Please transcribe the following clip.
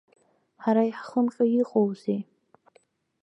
Ҳара иаҳхымҟьо иҟоузеи!